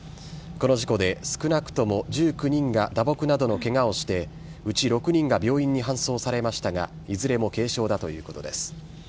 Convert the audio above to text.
この事故で少なくとも１９人が打撲などのケガをしてうち６人が病院に搬送されましたがいずれも軽傷だということです。